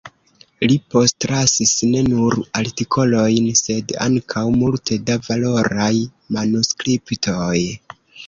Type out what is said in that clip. Li postlasis ne nur artikolojn, sed ankaŭ multe da valoraj manuskriptoj.